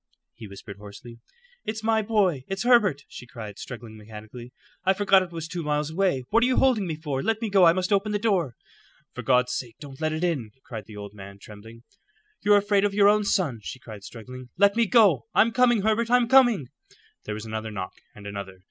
he whispered hoarsely. "It's my boy; it's Herbert!" she cried, struggling mechanically. "I forgot it was two miles away. What are you holding me for? Let go. I must open the door." "For God's sake don't let it in," cried the old man, trembling. "You're afraid of your own son," she cried, struggling. "Let me go. I'm coming, Herbert; I'm coming." There was another knock, and another.